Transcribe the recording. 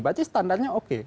tapi standarnya oke